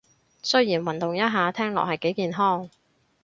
雖然運動一下聽落係幾健康